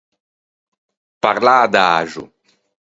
Parlâ adaxo.